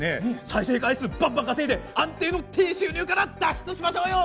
再生回数バンバン稼いで安定の低収入から脱出しましょうよ！